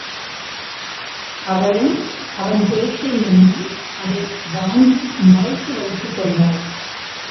அவளும், அவன் பேச்சை நம்பி, அதை வாங்கி மறைத்து வைத்துக் கொண்டாள்.